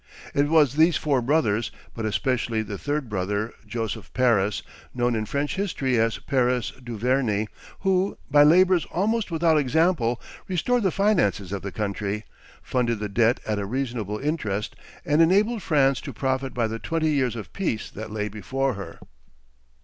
It was these four brothers, but especially the third brother, Joseph Paris, known in French history as Paris Duverney, who, by labors almost without example, restored the finances of the country, funded the debt at a reasonable interest, and enabled France to profit by the twenty years of peace that lay before her.